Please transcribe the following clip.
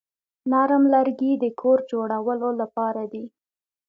نرم لرګي د کور جوړولو لپاره دي.